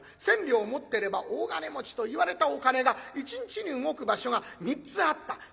千両持ってれば大金持ちといわれたお金が一日に動く場所が３つあった。